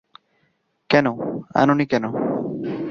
কেন, আনোনি কেন?